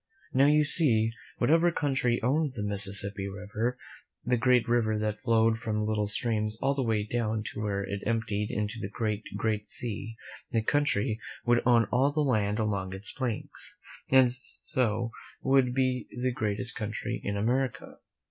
Now, you see, whatever country owned the Mississippi River, the great river that flowed from little streams all the way down to where it emptied into the great, great sea, that country would own all the land along its banks, and so would be the greatest country in America.